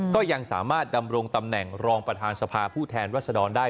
ก็ยังสามารถดำรงตำแหน่งรองประธานสภาผู้แทนรัศดรได้